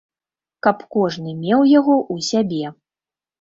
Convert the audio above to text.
Каб кожны меў яго ў сябе.